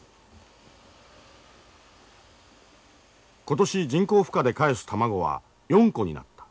今年人工孵化でかえす卵は４個になった。